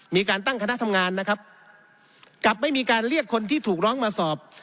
มีการตั้งคณะทำงานนะครับกับไม่มีการเรียกคนที่ถูกร้องมาสอบ